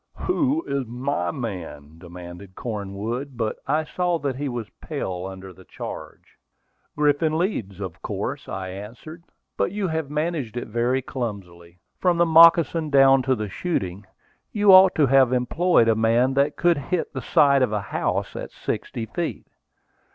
Who is my man?" demanded Cornwood. But I saw that he was pale under the charge. "Griffin Leeds, of course," I answered. "But you have managed it very clumsily, from the moccasin down to the shooting. You ought to have employed a man that could hit the side of a house at sixty feet."